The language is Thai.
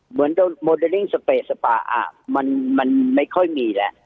เหมือนโมเดลลิ่งสเปสปะมันไม่ค่อยมีแล้ว